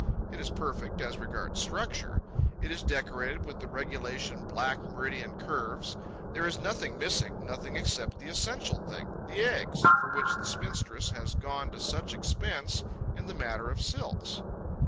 It is perfect, as regards structure; it is decorated with the regulation black meridian curves. There is nothing missing, nothing except the essential thing, the eggs, for which the spinstress has gone to such expense in the matter of silks.